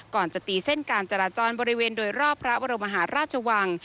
ก่อนจะตีเส้นการจราจรบริเวณโดยรอบพระบรมหาราชวัง